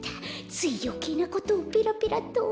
ついよけいなことをペラペラと。